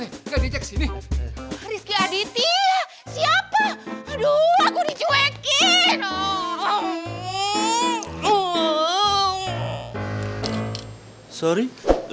nggak diinjak ke sini